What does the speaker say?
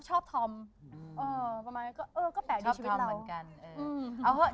ชอบทำเหมือนกัน